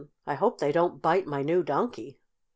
I hope they don't bite my new Donkey."